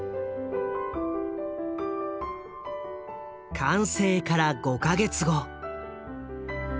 完成から５か月後。